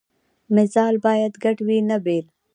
مزال باید ګډ وي نه بېل.